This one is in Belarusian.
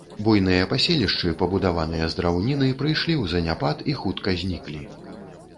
Буйныя паселішчы, пабудаваныя з драўніны, прыйшлі ў заняпад і хутка зніклі.